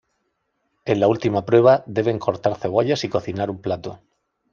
En la última prueba, deben cortar cebollas y cocinar un plato.